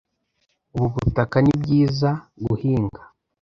Ubu butaka nibyiza guhinga.